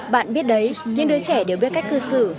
bạn biết đấy những đứa trẻ đều biết cách cư xử